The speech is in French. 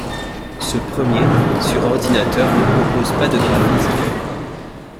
Ce premier ' sur ordinateur ne propose pas de graphismes.